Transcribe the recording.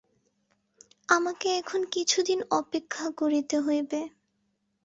আমাকে এখন কিছুদিন অপেক্ষা করিতে হইবে।